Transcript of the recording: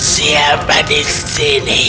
siapa di sini